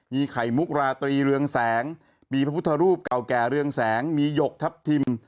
มีไข่มุกราตรีเรืองแสงมีพระพุทธรูปเก่าแก่เรืองแสงมีหยกทัพทิม